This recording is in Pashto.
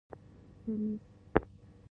👗 کمېس